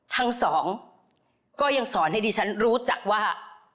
ทั้งสองก็ยังสอนให้ดิฉันรู้จักว่า